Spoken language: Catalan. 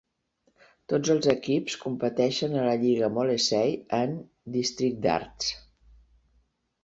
Tots els equips competeixen a la Lliga Molesey and District Darts.